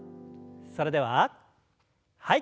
それでははい。